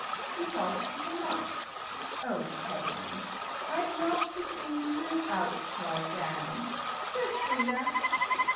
She thought it was a muff. Oh, heavens! I've knocked the In and Out card down. Where's Frieda?